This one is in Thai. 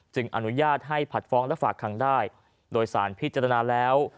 อนุญาตให้ผัดฟ้องและฝากคังได้โดยสารพิจารณาแล้ว